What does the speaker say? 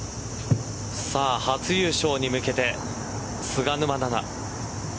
さあ初優勝に向けて菅沼菜々